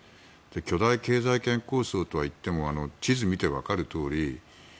巨大経済圏構想とはいっても地図見て分かるとおり